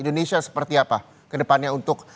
indonesia seperti apa kedepannya untuk